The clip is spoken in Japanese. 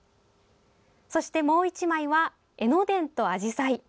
そして、もう１枚は江ノ電とあじさい。